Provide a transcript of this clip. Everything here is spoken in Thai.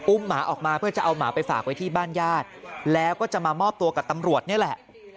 หมาออกมาเพื่อจะเอาหมาไปฝากไว้ที่บ้านญาติแล้วก็จะมามอบตัวกับตำรวจนี่แหละ